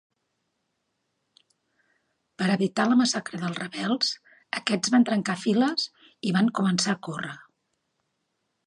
Per evitar la massacre dels rebels, aquests van trencar files i van començar a córrer.